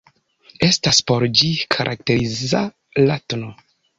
Estas por ĝi karakteriza la tn.